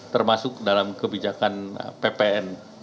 termasuk dalam kebijakan ppn